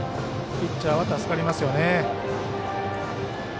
ピッチャーは助かりますよね。